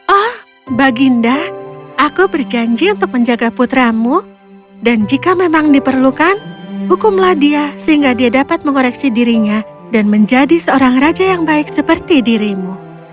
oh baginda aku berjanji untuk menjaga putramu dan jika memang diperlukan hukumlah dia sehingga dia dapat mengoreksi dirinya dan menjadi seorang raja yang baik seperti dirimu